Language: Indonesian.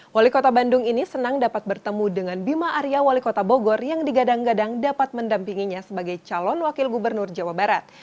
wali kota bandung ini senang dapat bertemu dengan bima arya wali kota bogor yang digadang gadang dapat mendampinginya sebagai calon wakil gubernur jawa barat